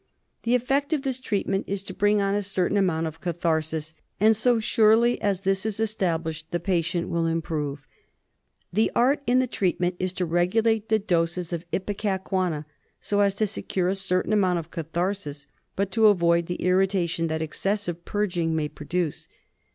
The effect of this treatment is to bring on a certain amount of catharsis, and so surely as this is established the patient will improve. The art in the treatment is to regulate the doses of Ipecacuanha so as to secure a certain amount of catharsis but to avoid the irritation that excessive purging may produce.